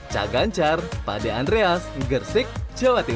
caganjar pak de andreas gresik jawa timur